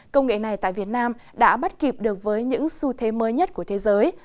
công nghệ này tại việt nam đã bắt kịp được với những xu thế mới nhất của thế giới